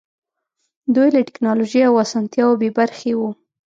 دوی له ټکنالوژۍ او اسانتیاوو بې برخې وو.